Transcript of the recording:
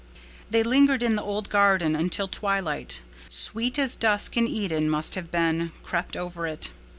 They lingered in the old garden until twilight, sweet as dusk in Eden must have been, crept over it.